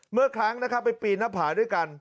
เมื่อครั้งนะครับไปปีนหน้าผาด้วยกัน